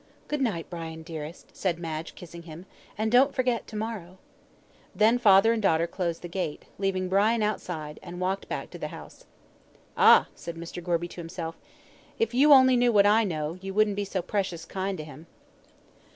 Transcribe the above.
"Good night, Brian, dearest," said Madge, kissing him, "and don't forget to morrow." Then father and daughter closed the gate, leaving Brian outside, and walked back to the house. "Ah!" said Mr. Gorby to himself, "if you only knew what I know, you wouldn't be so precious kind to him."